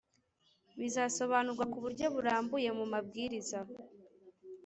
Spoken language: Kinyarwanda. bizasobanurwa ku buryo burambuye mu mabwiriza